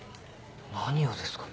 何をですか？